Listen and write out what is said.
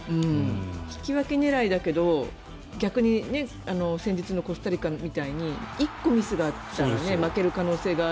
引き分け狙いだけど逆に先日のコスタリカみたいに１個ミスがあったら負ける可能性が。